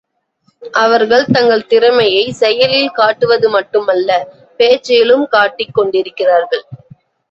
அவர்கள் தங்கள் திறமையை செயலில் காட்டுவது மட்டுமல்ல பேச்சிலும் காட்டிக் கொண்டிருக்கிறார்கள்.